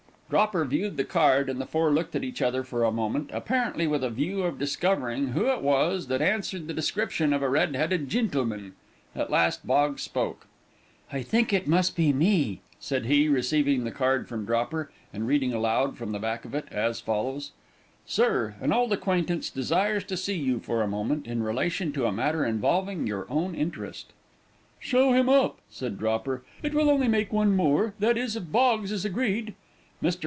Dropper viewed the card, and the four looked at each other for a moment, apparently with a view of discovering who it was that answered the description of a "red headed gintleman." At last, Boggs spoke. "I think it must be me," said he, receiving the card from Dropper, and reading aloud, from the back of it, as follows: "Sir, an old acquaintance desires to see you for a moment, in relation to a matter involving your own interest." "Show him up," said Dropper, "it will only make one more that is, if Boggs is agreed." Mr.